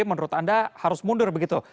menurut anda harus mundur begitu